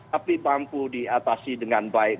tapi mampu diatasi dengan baik